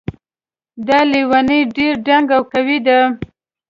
دا لیونۍ ډېر دنګ او قوي ده